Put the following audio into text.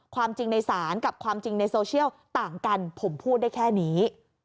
ความจริงในศาลกับความจริงในโซเชียลต่างกันผมพูดได้แค่นี้